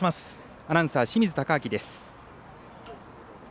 アナウンサー、清水敬亮です。